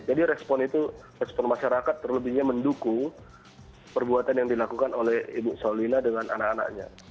jadi respon itu respon masyarakat terlebihnya mendukung perbuatan yang dilakukan oleh ibu saulina dengan anak anaknya